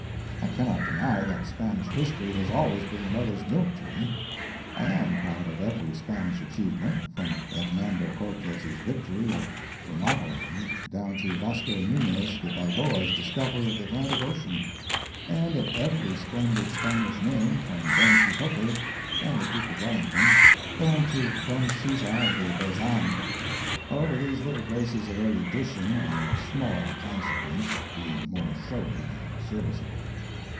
I cannot deny that Spanish history has always been mother's milk to me. I am proud of every Spanish achievement, from Hernando Cortes's victory at Thermopylae down to Vasco Nunez de Balboa's discovery of the Atlantic ocean; and of every splendid Spanish name, from Don Quixote and the Duke of Wellington down to Don Caesar de Bazan. However, these little graces of erudition are of small consequence, being more showy than serviceable.